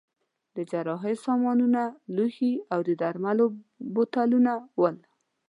د جراحۍ سامانونه، لوښي او د درملو بوتلونه ول.